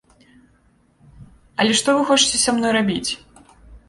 Але што вы хочаце са мною рабіць?